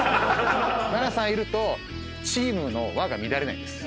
ナラさんいるとチームの和が乱れないんです。